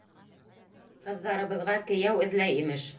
Ҡыҙҙарыбыҙға кейәү эҙләй, имеш!